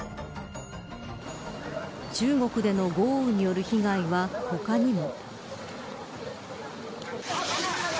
中国での豪雨による被害は他にも。